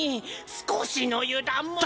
少しの油断も。